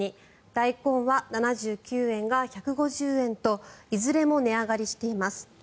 大根は７９円が１５０円といずれも値上がりしています。